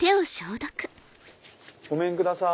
ごめんください。